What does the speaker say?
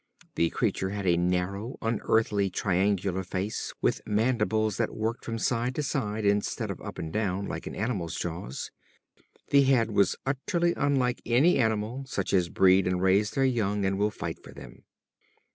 The creature had a narrow, unearthly, triangular face, with mandibles that worked from side to side instead of up and down like an animal's jaws. The head was utterly unlike any animal such as breed and raise their young and will fight for them.